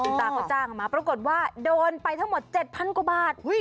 ตาก็จ้างมาปรากฏว่าโดนไปทั้งหมด๗๐๐กว่าบาท